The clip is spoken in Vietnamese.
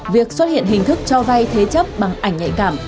việc xuất hiện hình thức cho vay thế chấp bằng ảnh nhạy cảm